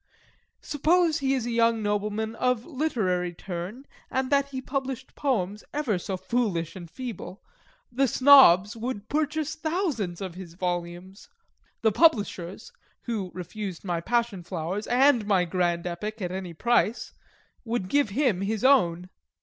Suppose he is a young nobleman of a literary turn, and that he published poems ever so foolish and feeble, the Snobs would purchase thousands of his volumes: the publishers (who refused my Passion Flowers, and my grand Epic at any price) would give him his own.